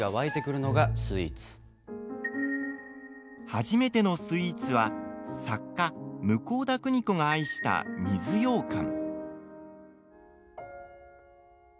初めてのスイーツは、作家向田邦子が愛した水ようかん。